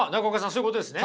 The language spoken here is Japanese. そういうことですね？